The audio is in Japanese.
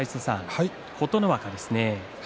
琴ノ若ですね。